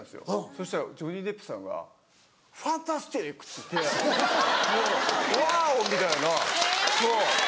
そしたらジョニー・デップさんが「ファンタスティック！」って言ってもう「ワオ！」みたいなそう。